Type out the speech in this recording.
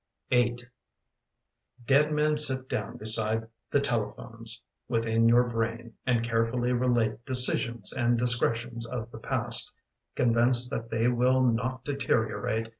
D VIII EAD men sit down beside the telephones Within your brain and carefully relate Decisions and discretions of the past, Convinced that they will not deteriorate.